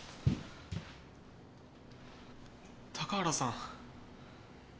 高原さん。